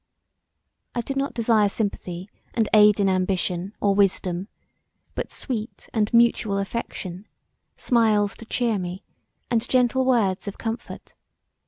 I did not desire sympathy and aid in ambition or wisdom, but sweet and mutual affection; smiles to cheer me and gentle words of comfort.